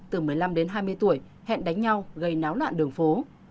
từ một mươi năm đến hai mươi tuổi hẹn đánh nhau gây náo loạn đường phố